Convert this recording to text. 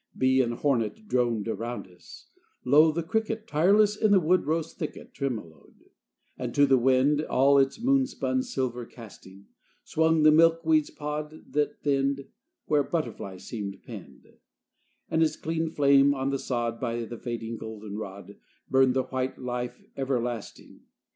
Bee and hornet Droned around us; low the cricket, Tireless in the wood rose thicket, Tremoloed; and, to the wind All its moon spun silver casting, Swung the milkweed's pod, that thinned, Where a butterfly seemed pinned: And its clean flame on the sod By the fading goldenrod, Burned the white life everlasting.